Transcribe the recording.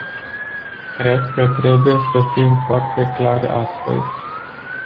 Cred că trebuie să fim foarte clari astăzi.